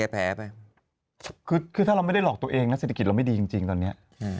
ไปคือถ้าเราไม่ได้หลอกตัวเองนะเศรษฐกิจเราไม่ดีจริงตอนนี้